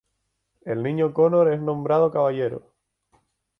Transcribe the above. El niño Conor es nombrado caballero.